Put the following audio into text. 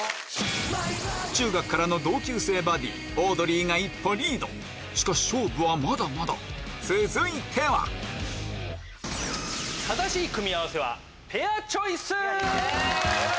中学からの同級生バディオードリーが一歩リードしかし勝負はまだまだ続いてはペアチョイス！